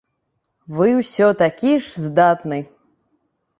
Вы ўсё такі ж здатны!